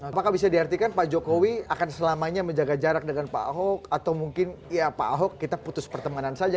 apakah bisa diartikan pak jokowi akan selamanya menjaga jarak dengan pak ahok atau mungkin ya pak ahok kita putus pertemanan saja